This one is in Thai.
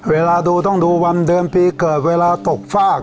เวลาดูต้องดูวันเดือนปีเกิดเวลาตกฟาก